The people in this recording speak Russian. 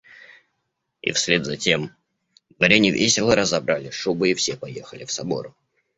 И вслед затем дворяне весело разобрали шубы, и все поехали в Собор.